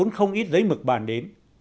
vốn không ít giấy mực bàn đến